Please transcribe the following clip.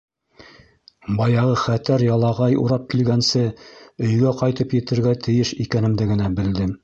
Баяғы хәтәр ялағай урап килгәнсе, өйгә ҡайтып етергә тейеш икәнемде генә белдем.